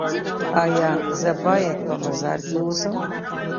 ایا زه باید په مزار کې اوسم؟